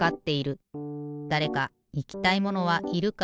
だれかいきたいものはいるか？